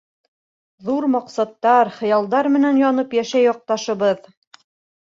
Ҙур маҡсаттар, хыялдар менән янып йәшәй яҡташыбыҙ.